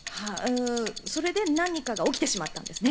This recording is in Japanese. それで何かが起きてしまったんですね。